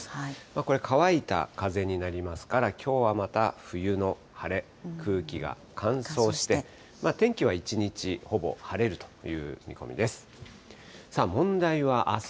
これ、乾いた風になりますから、きょうはまた冬の晴れ、空気が乾燥して、天気は一日ほぼ晴れるという見込みです。